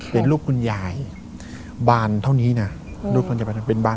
เป็นรูปคุณยายบานเท่านี้นะ